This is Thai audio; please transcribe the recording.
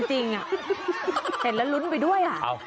จริงอ่ะเห็นแล้วลุ้นไปด้วยอ่ะ